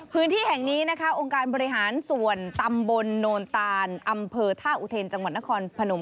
พื้นที่แห่งนี้นะคะองค์การบริหารส่วนตำบลโนนตานอำเภอท่าอุเทนจังหวัดนครพนม